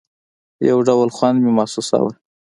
يو ډول خوند مې محسوساوه.